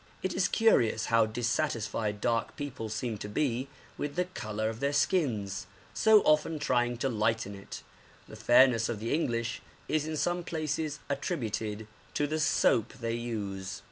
It is curious how dissatisfied dark people seem to be with the colour of their skins, so often trying to lighten it; the fairness of the English is in some places attributed to the soap they use.